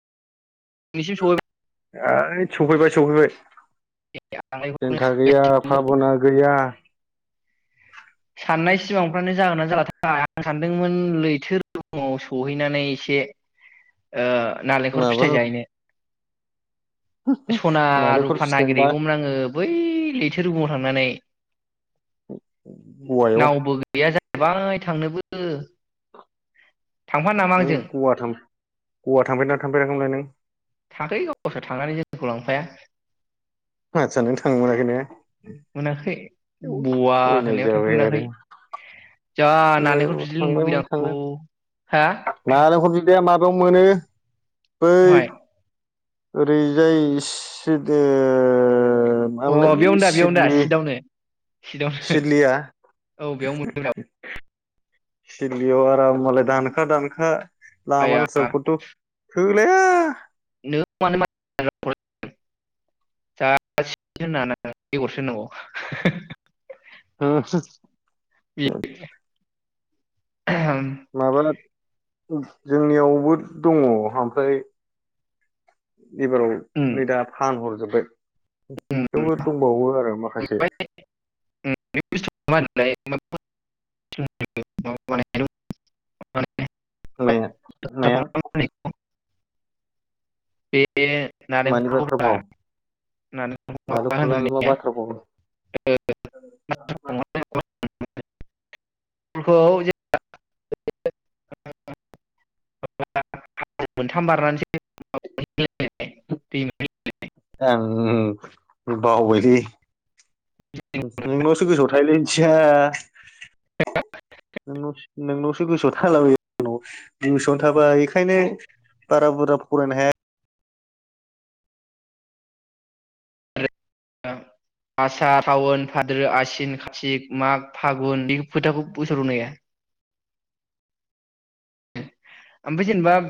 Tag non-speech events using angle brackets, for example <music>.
निसिम <unintelligible> सफैबाय-सफैबाय सहैबाय आं जन्था गैया बेखौनो फाबना गैया। साननाय सिमांफ्रानो जागोन ना जाला आं सानदोंमोन लैथो रुमाव सहैनानै एसे ओ नालेंखर माबा फिथाइ जाहैनो। सना नालेंखर रुफा फिथाइबा नागिरहैगौमोन आंङो बै लैथो रुगुंआव थांनानै। गवायाव नावबो गैया जाहैबाय थांनोबो ओ। ओ गवा थां गवा थांफेदना थांफेराखैमोन नों। थाखै गासोर थांनानै जोंखौ लांफाया। खासा नों थांनो मोनाखै ने मोनाखै बवा अयनाय होनायाव जाबाय थांफेरनो आरो मोनाखै जा नालेंखर बिदै लोंनो लुबैदां आं नानेंखर बिदैया मा खौ मोनो। बै बहाय ओरैजाय सेद ओ अ <unintelligible> बे बेयावनो दा बेयावनो दा सिदलि सिटआवनो सिटआवनो सिदलिया औ बेयाव मोनगोन सदलियाव आराम मालाय दानखा दानखा आया <unintelligible> थोलाया <inaudible> <unintelligible> <unintelligible> <unintelligible> माबा जोंनियावबो दङ ओमफ्राय एबाराव उम नै दा फानहरजोब <inaudible> उम थेवबो दंबावो आरो माखासे ओमफ्राय <unintelligible> माया माया <unintelligible> बे मानि बाथ्रा नालेंखला भाव <unintelligible> ओ नारेंखलखौ <inaudible> <unintelligible> आं बावबाय लै नोंनावसो गोसोआव थायो लै इदिया नोंनाव सो नोंनावसो गोसोआव थालाबायो <unintelligible> गोसोआवनो थाबा बेखायनो बारा बुरजा फरायनो हाया। <unintelligible> आसा, साउन, भाद्रो आसिन, खाथिक, माग, फागुन बे फोथाखौ गोसोआव दंना गैया? ओमफ्राय जेनेबा